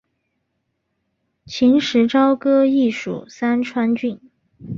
秦时朝歌邑属三川郡。